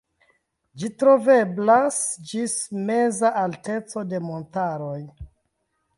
Ĝi troveblas ĝis meza alteco de montaroj.